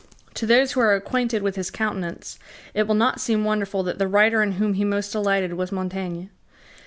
To those who are acquainted with his countenance it will not seem wonderful that the writer in whom he most delighted was Montaigne.